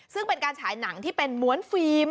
ซึ่งเป็นการฉายหนังที่เป็นม้วนฟิล์ม